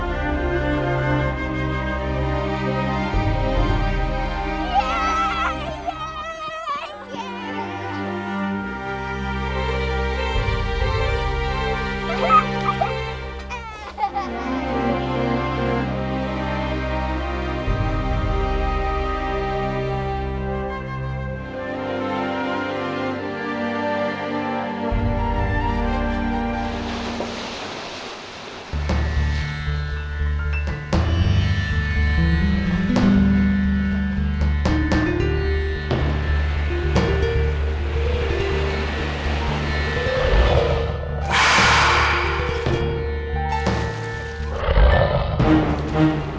jangan bawa sembara pulang